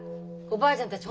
おばあちゃんたち